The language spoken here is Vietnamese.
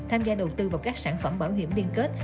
tham gia đầu tư vào các sản phẩm bảo hiểm liên kết